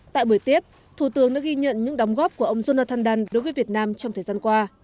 tại buổi tiếp thủ tướng đã ghi nhận những đóng góp của ông jonathanden đối với việt nam trong thời gian qua